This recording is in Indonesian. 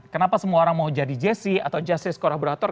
kenapa semua orang mau jadi jastis atau jastis kolaborator